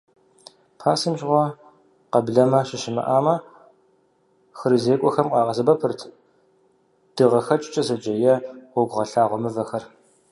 Пасэм щыгъуэ, къэблэмэ щыщымыӀам, хырызекӀуэхэм къагъэсэбэпырт дыгъэхэкӀкӀэ зэджэ, е гъуэгугъэлъагъуэ мывэхэр.